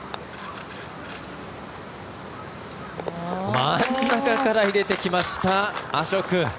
真ん中から入れてきましたアショク。